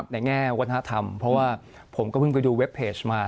ในแง่ธรรมนะครับเพราะว่าผมก็เพิ่งไปดูเว็บพิวเมล์มา